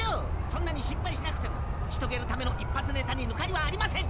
そんなに心配しなくても打ち解けるための一発ネタにぬかりはありません！